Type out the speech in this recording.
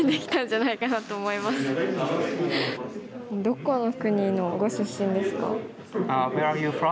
どこの国のご出身ですか？